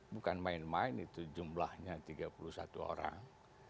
bukan main main itu jumlahnya tiga puluh satu orang